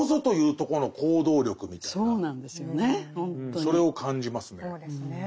それを感じますね。